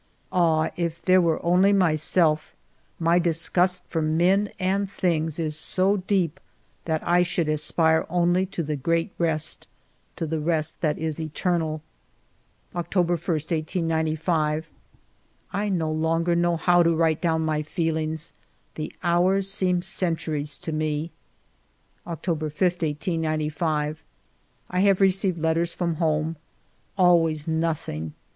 Ah, if there were only myself, my disgust for men and things is so deep that I should aspire only to the great rest, to the rest that is eternal. October i, 1895. I no longer know how to write down my feel ings ; the hours seem centuries to me. October 5, 1895. I have received letters from home. Always nothing